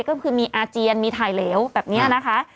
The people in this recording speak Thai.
ก็คือมีอาเจียนมีถ่ายเหลวแบบนี้นะคะ